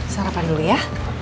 sarapan dulu ya